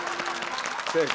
正解。